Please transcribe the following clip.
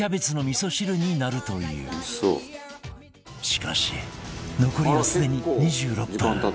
しかし残りはすでに２６分